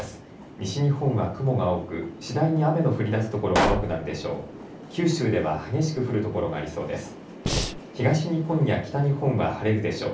西日本は雲が多く、次第に雨の降りだす所が多くなるでしょう。